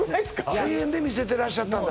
１０００円で見せてらっしゃったんだ